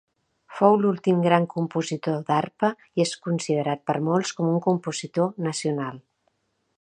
Fou l'últim gran compositor d'arpa i és considerat per molts com un compositor nacional.